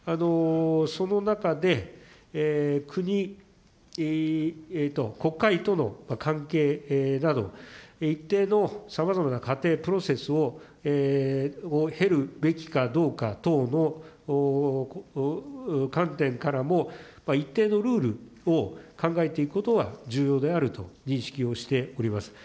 その中で、国、国会との関係など、一定のさまざまな過程、プロセスを経るべきかどうか等の観点からも、一定のルールを考えていくことが重要であると認識をしております。